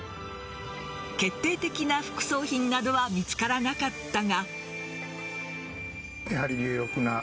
決定的な副葬品などは見つからなかったが。